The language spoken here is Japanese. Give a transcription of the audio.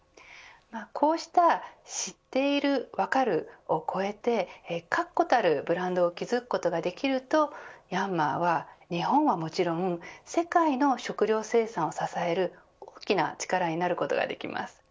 こうした知っている分かる、を超えて確固たるブランドを築くことができるとヤンマーは日本はもちろん世界の食料生産を支える大きな力になることができます。